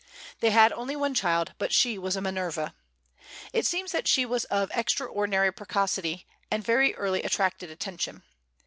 They had only one child, but she was a Minerva. It seems that she was of extraordinary precocity, and very early attracted attention.